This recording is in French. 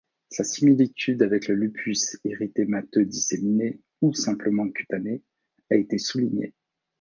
Sa similitude avec le lupus érythémateux disséminé ou simplement cutanée a été soulignée.